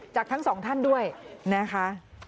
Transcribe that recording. จากทั้งสองท่านด้วยนะคะ